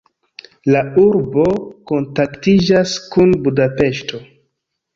La urbo kontaktiĝas kun Budapeŝto.